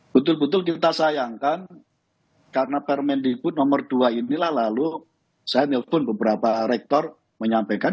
betul betul kita sayangkan karena permendikbud nomor dua inilah lalu saya nelfon beberapa rektor menyampaikan